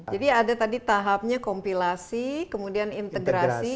jadi ada tadi tahapnya kompilasi kemudian integrasi